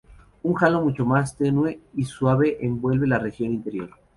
Un halo mucho más tenue y suave envuelve la región interior.